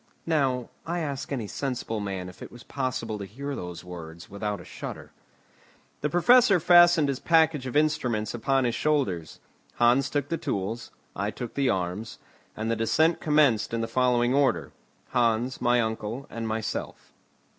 Now I ask any sensible man if it was possible to hear those words without a shudder. The Professor fastened his package of instruments upon his shoulders; Hans took the tools; I took the arms: and the descent commenced in the following order; Hans, my uncle, and myself.